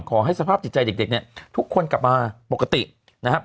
ขอให้สภาพจิตใจเด็กเนี่ยทุกคนกลับมาปกตินะครับ